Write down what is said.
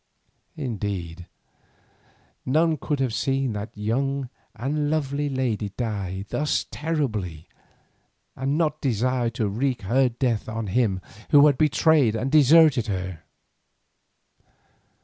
Indeed none could have seen that young and lovely lady die thus terribly and not desire to wreak her death on him who had betrayed and deserted her.